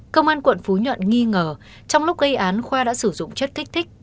công an quận phú nhận nghi ngờ trong lúc gây án khoa đã sử dụng chất thích thích